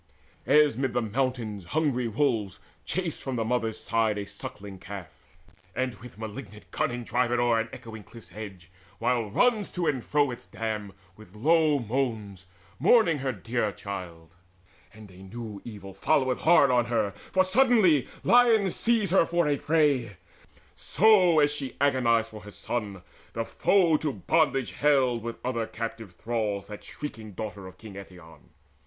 As when amid the mountains hungry wolves Chase from the mother's side a suckling calf, And with malignant cunning drive it o'er An echoing cliffs edge, while runs to and fro Its dam with long moans mourning her dear child, And a new evil followeth hard on her, For suddenly lions seize her for a prey; So, as she agonized for her son, the foe To bondage haled with other captive thralls That shrieking daughter of King Eetion.